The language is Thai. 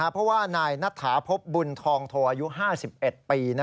เพราะว่านายนัทถาพบบุญทองโทอายุ๕๑ปี